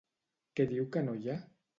Què diu que no hi ha?